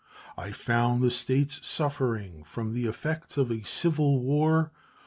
I found the States suffering from the effects of a civil war.